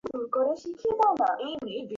এইটা কি, ফ্লোরা?